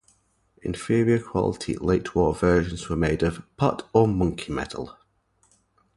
Inferior quality late-war versions were made of "pot or monkey metal".